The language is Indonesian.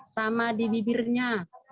sama di bibirnya